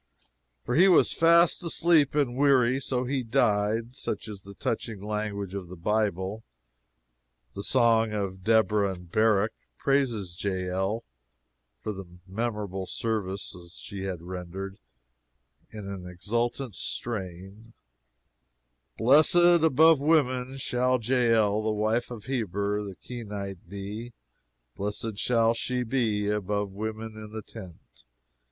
"For he was fast asleep and weary. So he died." Such is the touching language of the Bible. "The Song of Deborah and Barak" praises Jael for the memorable service she had rendered, in an exultant strain: "Blessed above women shall Jael the wife of Heber the Kenite be, blessed shall she be above women in the tent.